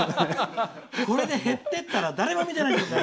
これで減ってったら誰も見てないじゃない。